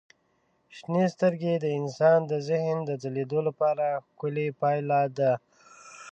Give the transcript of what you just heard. شنې سترګې د انسان د ذهن د ځلېدو لپاره ښکلي پایله ده.